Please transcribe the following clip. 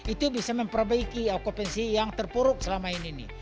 itu bisa memperbaiki okupansi yang terpuruk selama ini